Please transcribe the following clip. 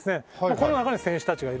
この中に選手たちがいる。